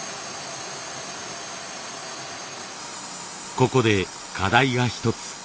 ここで課題が一つ。